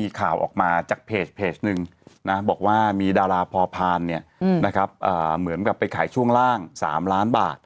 มีข่าวออกมาจากเพจหนึ่งบอกว่ามีดาราพอพานเหมือนกับไปขายช่วงล่าง๓ล้านบาท